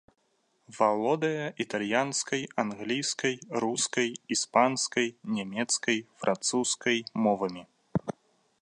Валодае італьянскай, англійскай, рускай, іспанскай, нямецкай, французскай мовамі.